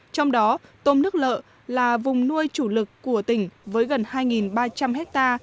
trong đó tôm nước lợ là vùng nuôi chủ lực của tỉnh với gần hai ba trăm linh ha